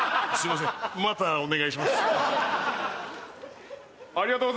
判定お願いします。